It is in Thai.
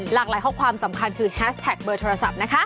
หลากหลายข้อความสำคัญคือแฮชแท็กเบอร์โทรศัพท์นะคะ